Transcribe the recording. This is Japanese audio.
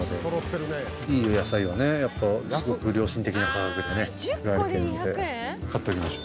いいお野菜がねやっぱすごく良心的な価格でね売られてるので買っております。